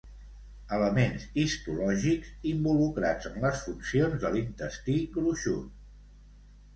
Elements histològics involucrats en les funcions de l'intestí gruixut.